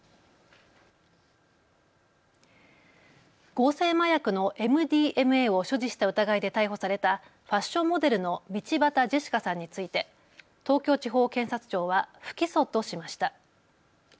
合成麻薬のＭＤＭＡを所持した疑いで逮捕されたファッションモデルの道端ジェシカさんについて東京地方検察庁は不起訴としました。